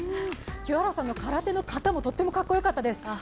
清原さんの空手の形もとってもかっこよかったです。